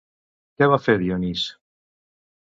Què va fer Dionís?